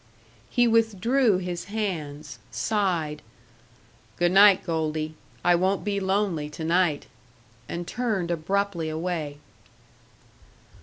He withdrew his hands, sighed, "Good night, Goldie. I won't be lonely to night!" and turned abruptly away.